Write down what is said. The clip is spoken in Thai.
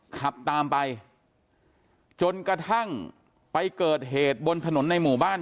ขับตามไปจนกระทั่งไปเกิดเหตุบนถนนในหมู่บ้าน